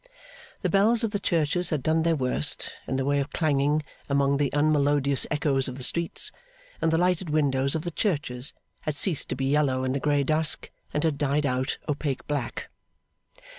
The bells of the churches had done their worst in the way of clanging among the unmelodious echoes of the streets, and the lighted windows of the churches had ceased to be yellow in the grey dusk, and had died out opaque black.